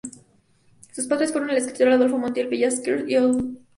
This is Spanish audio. Sus padres fueron el escritor Adolfo Montiel Ballesteros y Ofelia Valentini.